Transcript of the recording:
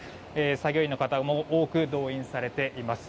作業員の方も多く動員されています。